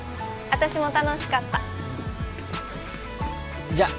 私も楽しかったじゃっ